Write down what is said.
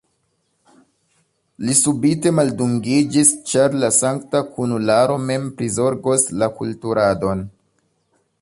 Li subite maldungiĝis, ĉar la sankta kunularo mem prizorgos la kulturadon.